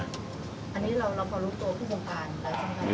อันนี้เราก็รู้ตัวที่บำกัน